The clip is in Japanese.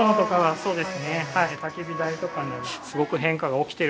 そうです。